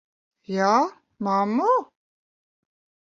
Jā, mammu?